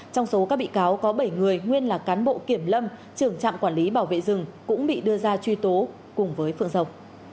trong số các bị cáo có bảy người nguyên là cán bộ kiểm lâm trưởng trạm quản lý bảo vệ rừng cũng bị đưa ra truy tố cùng với phượng